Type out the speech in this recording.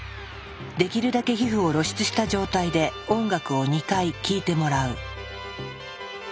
できるだけ皮膚を露出した状態で音楽を２回聞いてもらう。